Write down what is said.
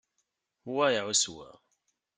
Wa iɛuss wa.